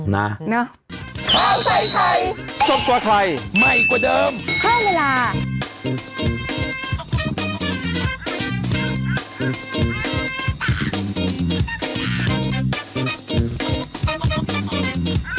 น่าน่าน่า